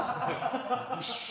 よし。